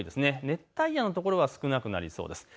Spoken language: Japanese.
熱帯夜のところは少なくなりそうです。